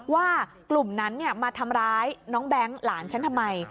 ว่ากลุ่มนั้นมาทำร้ายน้องแบงค์หลานฉันทำไม